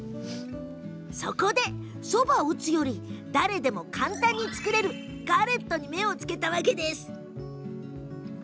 そこで、そばを打つより誰でも簡単に作れるガレットに目を付けたんです。